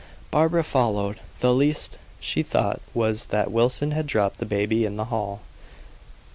Barbara followed; the least she thought was that Wilson had dropped the baby in the hall.